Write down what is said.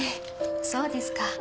そうですか。